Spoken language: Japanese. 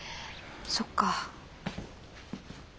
そっか。